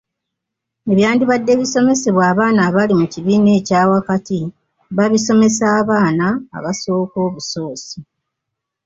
Ebyandibadde bisomesebwa abaana abali mu kibiina ekya wakati babisomesa abaana abasooka obusoosi.